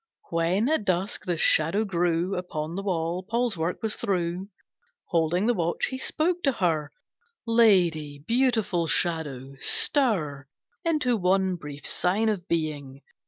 When, at dusk, the Shadow grew Upon the wall, Paul's work was through. Holding the watch, he spoke to her: "Lady, Beautiful Shadow, stir Into one brief sign of being.